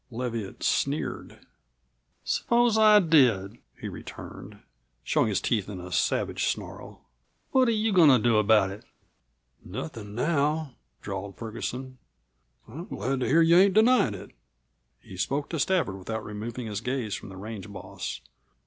Leviatt sneered. "Suppose I did?" he returned, showing his teeth in a savage snarl. "What are you goin' to do about it?" "Nothin' now," drawled Ferguson. "I'm glad to hear that you ain't denyin' it." He spoke to Stafford, without removing his gaze from the range boss.